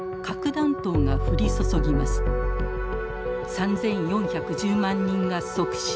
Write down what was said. ３，４１０万人が即死。